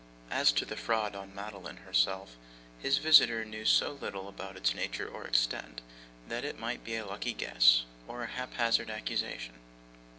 As to the fraud on Madeline herself, his visitor knew so little about its nature or extent, that it might be a lucky guess, or a hap hazard accusation.